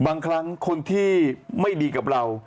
บางครั้งคนที่ไม่ดีกับเรา